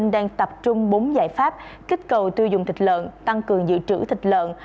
đang tập trung bốn giải pháp kích cầu tiêu dùng thịt lợn tăng cường dự trữ thịt lợn